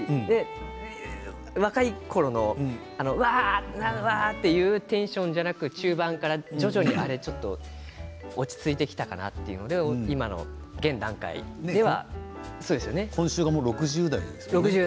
若いころのうわあっというテンションじゃなく中盤から徐々に落ち着いてきたかなというので今週は６０代ですよね。